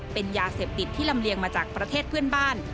เป็นยาเสพติดที่ลำเลียงมาจากประเทศเพื่อนบ้าน